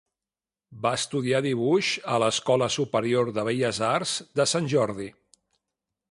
Va estudiar dibuix a l'Escola Superior de Belles Arts de Sant Jordi.